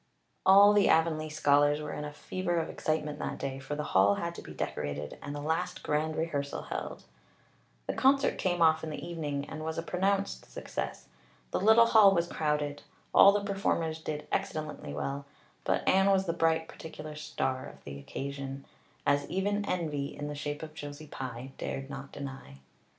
All the Avonlea scholars were in a fever of excitement that day, for the hall had to be decorated and a last grand rehearsal held. The concert came off in the evening and was a pronounced success. The little hall was crowded; all the performers did excellently well, but Anne was the bright particular star of the occasion, as even envy, in the shape of Josie Pye, dared not deny.